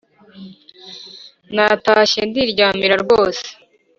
natashye ndiryamira rwose